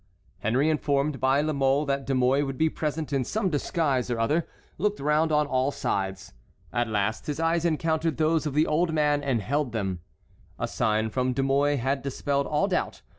Henry, informed by La Mole that De Mouy would be present in some disguise or other, looked round on all sides. At last his eyes encountered those of the old man and held them. A sign from De Mouy had dispelled all doubt.